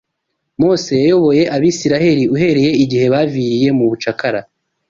Mose yayoboye Abisirayeli uhereye igihe baviriye mu bucakara